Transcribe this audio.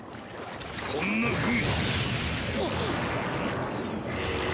こんなふうに。